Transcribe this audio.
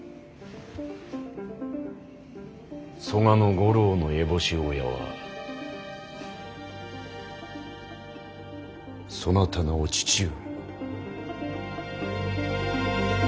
曽我五郎の烏帽子親はそなたのお父上。